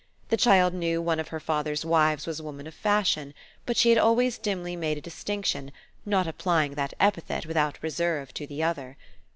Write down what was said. The child knew one of her father's wives was a woman of fashion, but she had always dimly made a distinction, not applying that epithet without reserve to the other.